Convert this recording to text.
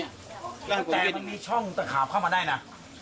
แต่ยังมีช่องตะขาบเข้ามาได้นะ